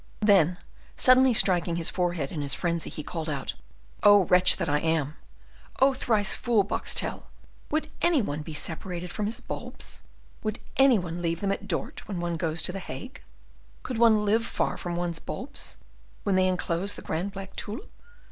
Then, suddenly striking his forehead in his frenzy, he called out, "Oh wretch that I am! Oh thrice fool Boxtel! Would any one be separated from his bulbs? Would any one leave them at Dort, when one goes to the Hague? Could one live far from one's bulbs, when they enclose the grand black tulip?